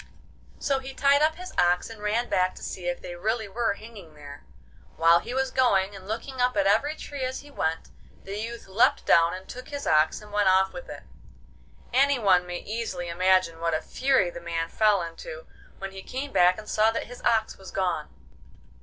So he tied up his ox and ran back to see if they really were hanging there. While he was going, and looking up at every tree as he went, the youth leapt down and took his ox and went off with it. Any one may easily imagine what a fury the man fell into when he came back and saw that his ox was gone.